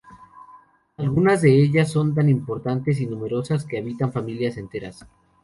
Algunas de ellas son tan importantes y numerosas que habitan familias enteras.